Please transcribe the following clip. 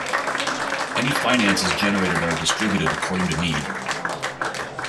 Any finances generated are distributed according to need.